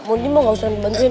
mondi mah gak usah dibantuin